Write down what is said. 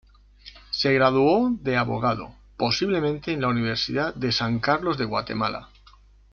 Se graduó de abogado, posiblemente en la Universidad de San Carlos de Guatemala.